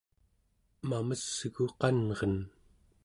mamesgu qanren!